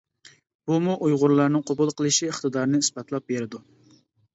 بۇمۇ ئۇيغۇرلارنىڭ قوبۇل قىلىش ئىقتىدارىنى ئىسپاتلاپ بېرىدۇ.